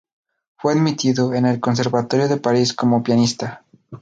Fue admitido en el Conservatorio de París como pianista.